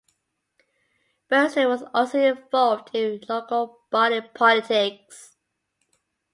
Burston was also involved in local body politics.